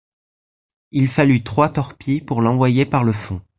Il fallut trois torpilles pour l'envoyer par le fond.